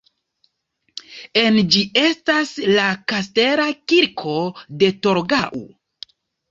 En ĝi estas la Kastela kirko de Torgau.